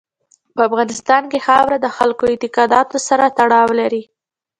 په افغانستان کې خاوره د خلکو اعتقاداتو سره تړاو لري.